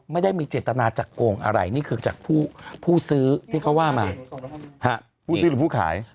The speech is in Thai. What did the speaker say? ไม่ได้มีเจตนาจะโกงอะไรนี่คือจากผู้ซื้อที่เขาว่ามาผู้ซื้อหรือผู้ขาย